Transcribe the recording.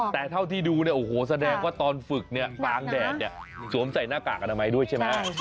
แต่เท่าที่ดูแสดงว่าตอนฝึกฟลางแดดสวมใส่หน้ากากกาดไม้ด้วยใช่ไหม